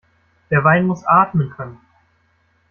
Der Wein muss atmen können.